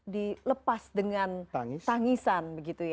dilepas dengan tangisan